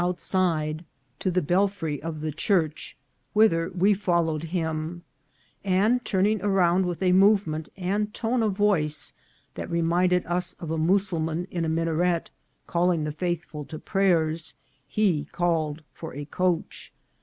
outside to the belfry of the church, whither we followed him ; and, turning around with a movement and tone of voice that reminded us of a Mussulman in a minaret calling the faithful to prayers, he called for a coach.